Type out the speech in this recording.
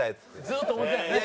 ずっと思ってたんやね。